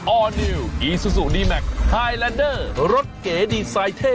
อร์นิวอีซูซูดีแมคไฮแลนเดอร์รถเก๋ดีไซนเท่